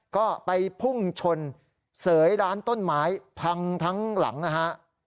ก็ไปพุ่งชนเสยร้านต้นไม้พังทั้งหลังนะฮะ